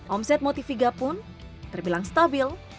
omset motiviga pun terbilang stabil